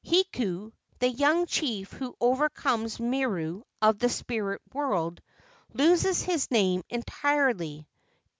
Hiku, the young chief who overcomes Miru of the spirit world, loses his name entirely.